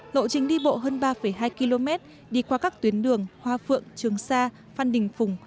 lộ trình đi bộ hơn ba hai km đi qua các tuyến đường hoa phượng trường sa phan đình phùng